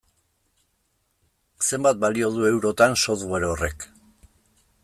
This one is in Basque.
Zenbat balio du, eurotan, software horrek?